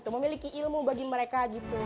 memiliki ilmu bagi mereka